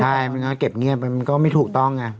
ใช่มันก็เก็บเงียบไปมันก็ไม่ถูกต้องไง